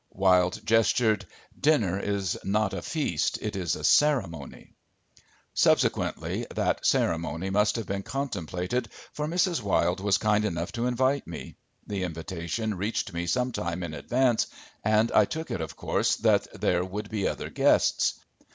Wilde gestured. "Dinner is not a feast, it is a ceremony." Subsequently that ceremony must have been contemplated, for Mrs. Wilde was kind enough to invite me. The invitation reached me sometime in advance and I took it of course that there would be other guests.